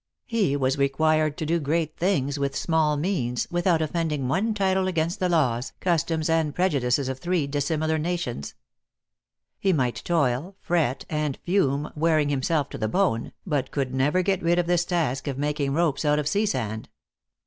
He was required to do great things with small means, without offending one tittle against the laws, customs 14 822 THE ACTRESS IN HIGH LIFE. and prejudices of three dissimilar nations. He might toil, fret and fume, wearing himself to the bone, but could never get rid of this task of making ropes out of sea sand.